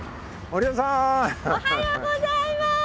おはようございます！